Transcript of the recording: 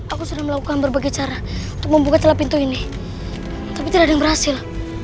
aku sudah melakukan berbagai cara untuk membuka celah pintu ini tapi tidak berhasil